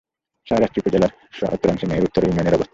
শাহরাস্তি উপজেলার উত্তরাংশে মেহের উত্তর ইউনিয়নের অবস্থান।